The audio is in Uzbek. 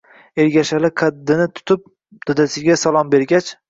Ergashali qaddini tutib, dadasiga salom bergach.